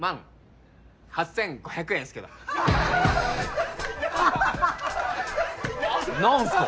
８５００円っすけど何すか？